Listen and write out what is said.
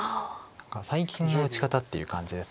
最近の打ち方っていう感じです。